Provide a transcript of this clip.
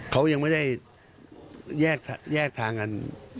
เขายังไม่ได้แยกทางกัน